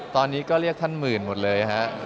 ตอนนี้ก็เรียกท่านหมื่นหมดเลยฮะ